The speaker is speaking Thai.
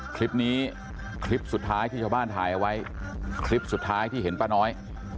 คลิปนี้คลิปสุดท้ายที่ชาวบ้านถ่ายเอาไว้คลิปสุดท้ายที่เห็นป้าน้อย